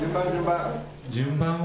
順番を。